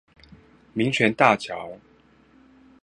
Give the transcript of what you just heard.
民權大橋